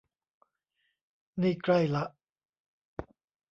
นี่ใกล้ละ